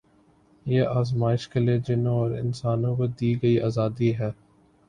یہ آزمایش کے لیے جنوں اور انسانوں کو دی گئی آزادی ہے